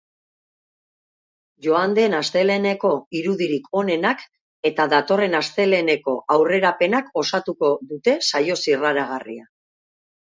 Joan den asteleheneko irudirik onenak eta datorren asteleheneko aurrerapenak osatuko dute saio zirraragarria.